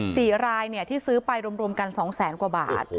ศรีรายที่ซื้อไปรวมกัน๒๐๐๐๐๐บาท